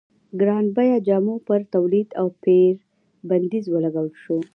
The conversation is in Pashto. ګران بیه جامو پر تولید او پېر بندیز ولګول شو.